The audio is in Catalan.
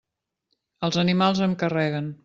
Els animals em carreguen.